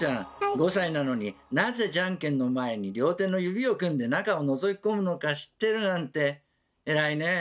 ５歳なのになぜじゃんけんの前に両手の指を組んで中をのぞき込むのか知ってるなんて偉いねえ。